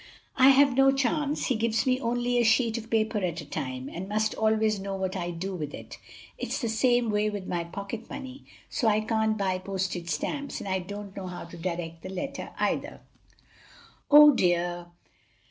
"I have no chance, he gives me only a sheet of paper at a time, and must always know what I do with it. It's the same way with my pocket money; so I can't buy postage stamps; and I don't know how to direct the letter either." "Oh dear!